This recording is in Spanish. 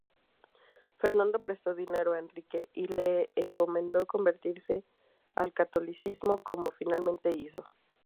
Fernando prestó dinero a Enrique y le encomendó convertirse al catolicismo, como finalmente hizo.